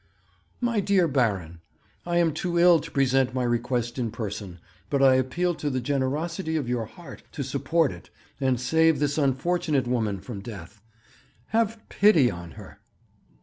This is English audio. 'My dear Baron, 'I am too ill to present my request in person, but I appeal to the generosity of your heart to support it and save this unfortunate woman from death. Have pity on her!